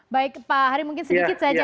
baik pak hari mungkin sedikit saja